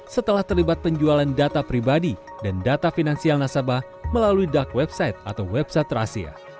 setelah terlibat penjualan data pribadi dan data finansial nasabah melalui dark website atau website rahasia